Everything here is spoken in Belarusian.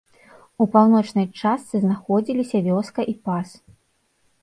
У паўночнай частцы знаходзіліся вёска і пас.